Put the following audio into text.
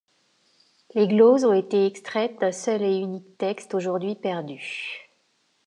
Les gloses ont été extraites d’un seul et unique texte, aujourd’hui perdu.